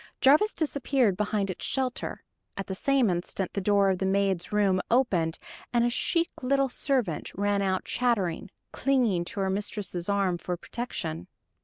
Jarvis disappeared behind its shelter. At the same instant the door of the maid's room opened, and a chic little servant ran out chattering, clinging to her mistress' arm for protection.